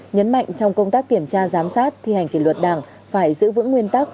nhấn mạnh trong công tác kiểm tra giám sát thi hành kỷ luật đảng phải giữ vững nguyên tắc